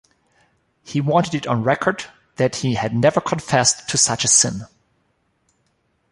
He wanted it on record that he had never confessed to such a sin.